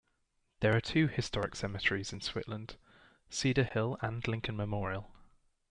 There are two historic cemeteries in Suitland, Cedar Hill and Lincoln Memorial.